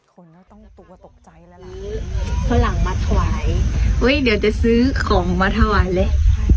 คนก็ต้องตัวตกใจแล้วล่ะฝรั่งมาถวายเฮ้ยเดี๋ยวจะซื้อของมาถวายเลย